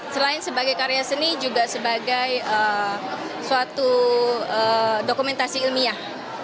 selain sebagai karya seni juga sebagai suatu dokumentasi ilmiah